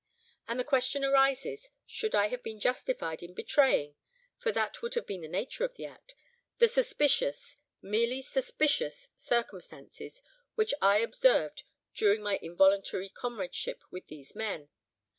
"And the question arises, Should I have been justified in betraying—for that would have been the nature of the act—the suspicious, merely suspicious circumstances, which I observed during my involuntary comradeship with these men?